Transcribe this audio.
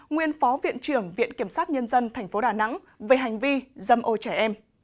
nguyên phó viện trưởng viện kiểm sát nhân dân tp đà nẵng về hành vi dâm ô trẻ em